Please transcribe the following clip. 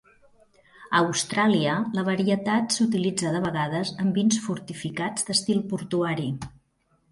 A Austràlia, la varietat s'utilitza de vegades en vins fortificats d'estil portuari.